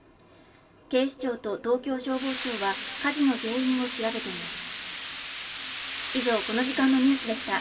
警視庁と東京消防庁は火事の原因を調べています。